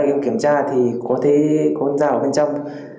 em kiểm tra thì có thấy con dao ở bên trong